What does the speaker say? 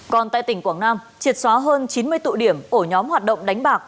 còn tại tỉnh quảng nam triệt xóa hơn chín mươi tụ điểm ổ nhóm hoạt động đánh bạc